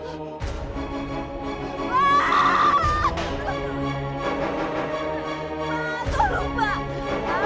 bukan suami saya